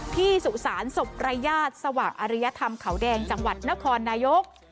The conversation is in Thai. สุสานศพรายญาติสว่างอริยธรรมเขาแดงจังหวัดนครนายก